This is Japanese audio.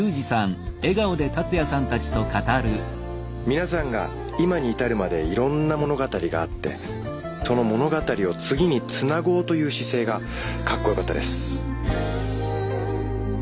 皆さんが今に至るまでいろんな物語があってその物語を次につなごうという姿勢がかっこよかったです。